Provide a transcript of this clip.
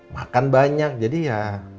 makan banyak jadi ya